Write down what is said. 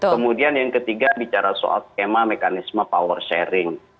kemudian yang ketiga bicara soal skema mekanisme power sharing